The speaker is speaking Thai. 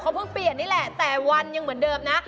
เพิ่งเปลี่ยนนี่แหละแต่วันยังเหมือนเดิมนะ